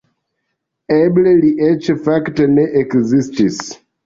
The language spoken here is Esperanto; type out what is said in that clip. Eble li eĉ fakte ne ekzistis.